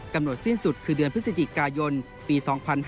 สิ้นสุดคือเดือนพฤศจิกายนปี๒๕๕๙